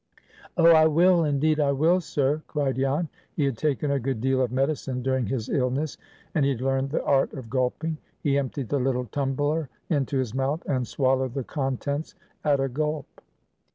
"Oh! I will, indeed I will, sir," cried Jan. He had taken a good deal of medicine during his illness, and he had learned the art of gulping. He emptied the little tumbler into his mouth, and swallowed the contents at a gulp.